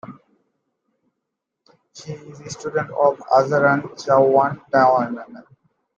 She is a student of Ajarn Chawiwan Damnoen.